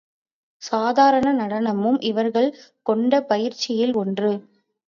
சாதாரண நடனமும் இவர்கள் கொண்ட பயிற்சியில் ஒன்று.